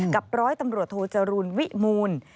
กับร้อยตำรวจโทจรูลวิมูล